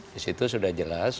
di situ sudah jelas